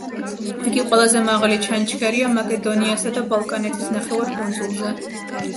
იგი ყველაზე მაღალი ჩანჩქერია მაკედონიასა და ბალკანეთის ნახევარკუნძულზე.